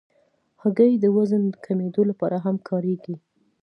هګۍ د وزن کمېدو لپاره هم کارېږي.